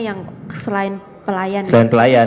yang selain pelayan dan pelayan